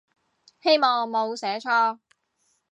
希望冇寫錯